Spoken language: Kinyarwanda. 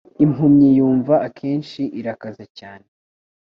Impumyi yumva akenshi irakaze cyane